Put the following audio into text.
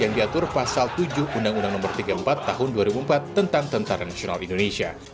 ini adalah operasi militer selain perang yang diatur pasal tujuh undang undang no tiga puluh empat tahun dua ribu empat tentang tni